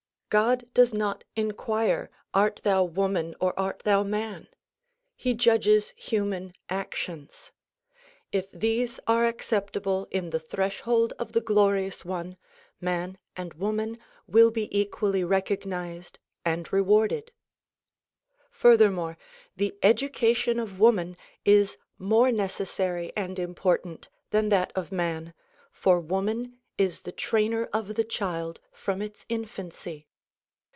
God does not inquire "Art thou woman or art thou man?" He judges human actions. If these are acceptable in the threshold of the Glorious One, man and woman will be equally recognized and rewarded. Furthermore, the education of woman is more necessary and important than that of man, for woman is the trainer of the child from its infancy.